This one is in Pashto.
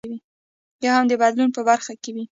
یا هم د بدلون په برخه کې وي.